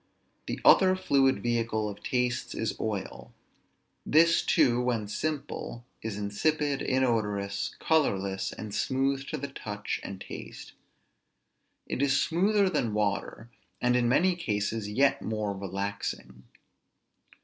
The other fluid vehicle of tastes is oil. This too, when simple, is insipid, inodorous, colorless, and smooth to the touch and taste. It is smoother than water, and in many cases yet more relaxing.